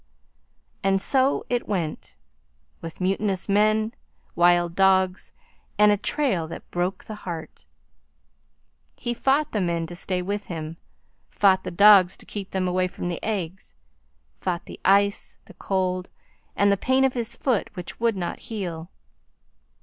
And so it went with mutinous men, wild dogs, and a trail that broke the heart. He fought the men to stay with him, fought the dogs to keep them away from the eggs, fought the ice, the cold, and the pain of his foot, which would not heal.